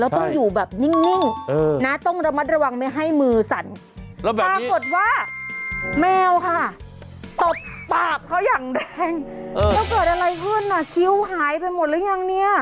ถ้าเกิดอะไรขึ้นน่ะคิ้วหายไปหมดหรือยังเนี่ย